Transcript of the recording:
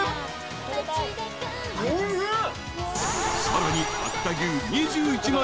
おいしい。